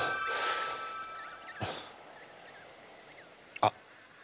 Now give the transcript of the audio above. あっ。